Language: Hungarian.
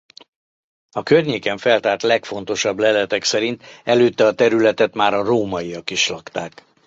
A környéken feltárt legfontosabb leletek szerint előtte a területet már a rómaiak is lakták.